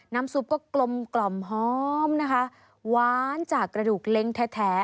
น้ำซุปก็กลมห้อมนะคะหวานจากกระดูกเล้งแท้